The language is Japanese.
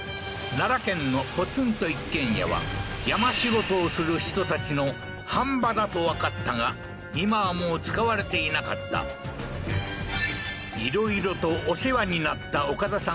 奈良県のポツンと一軒家は山仕事をする人たちの飯場だとわかったが今はもう使われていなかったいろいろとお世話になった岡田さん